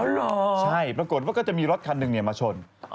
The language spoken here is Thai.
ใช่ปรากฏว่าก็จะมีรถคันหนึ่งมาชน